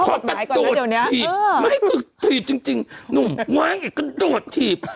กฎหมายก่อนแล้วเดี๋ยวเนี้ยเออไม่ก็ถีบจริงจริงหนุ่มว้างไอก็โดดถีบ